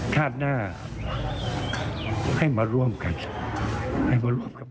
ท่านหน้าให้มาร่วมครับ